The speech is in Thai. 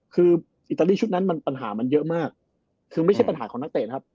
คืออิตาลีชุดนั้นมันปัญหามันเยอะมากคือไม่ใช่ปัญหาของนักเตะนะครับ